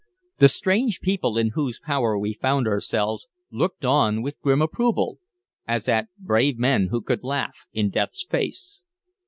The strange people in whose power we found ourselves looked on with grim approval, as at brave men who could laugh in Death's face.